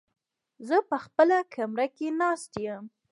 زه په خپله کمره کې ناست يم.